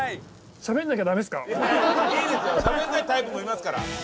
しゃべらないタイプもいますから。